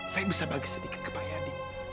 saya bisa bagi sedikit ke pak yadi